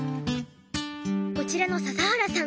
こちらの笹原さん